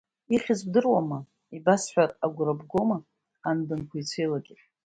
Ихьыз бдыруама, ибасҳәар агәра бгом, анбанқәа ицәеилагеит.